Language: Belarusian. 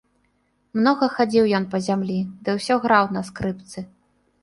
Многа хадзіў ён па зямлі ды ўсё граў на скрыпцы.